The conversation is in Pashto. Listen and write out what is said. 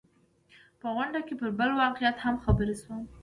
په غونډه کې پر بل واقعیت هم خبر شوم.